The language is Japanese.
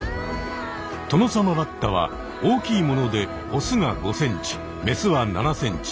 トノサマバッタは大きいものでオスが５ｃｍメスは７ｃｍ。